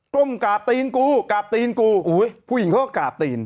้มกราบตีนกูกราบตีนกูอุ้ยผู้หญิงเขาก็กราบตีน